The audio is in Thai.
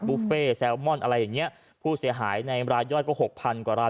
บุฟเฟ่แซลมอนอะไรอย่างเงี้ยผู้เสียหายในรายย่อยก็หกพันกว่าราย